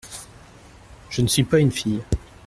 Je ne suis pas une fille.